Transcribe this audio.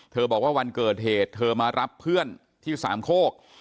บอกว่าวันเกิดเหตุเธอมารับเพื่อนที่สามโคก